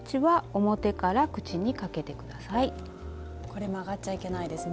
これ曲がっちゃいけないですね。